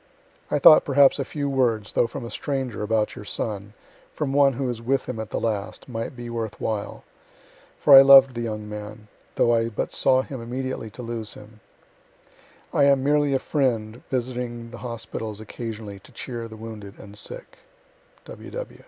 I thought perhaps a few words, though from a stranger, about your son, from one who was with him at the last, might be worth while for I loved the young man, though I but saw him immediately to lose him. I am merely a friend visiting the hospitals occasionally to cheer the wounded and sick.